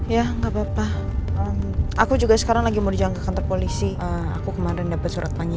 ya nggak papa aku juga sekarang lagi mau di jalan ke kantor polisi aku kemarin dapat surat panggilan